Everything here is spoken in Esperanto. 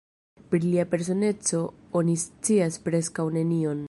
Pri lia personeco oni scias preskaŭ nenion.